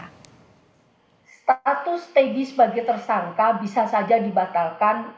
status teddy sebagai tersangka bisa saja dibatalkan